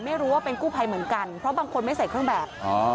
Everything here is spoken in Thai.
ไม่รู้ว่าเป็นกู้ภัยเหมือนกันเพราะบางคนไม่ใส่เครื่องแบบ